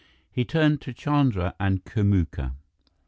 He turned to Chandra and Kamuka.